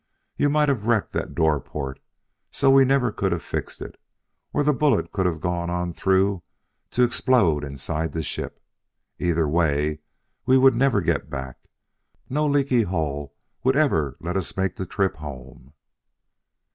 You might have wrecked that door port so we never could have fixed it; or the bullet could have gone on through to explode inside the ship. Either way we would never get back: no leaky hull would ever let us make the trip home!"